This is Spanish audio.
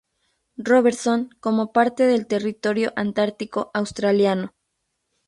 Robertson como parte del Territorio Antártico Australiano.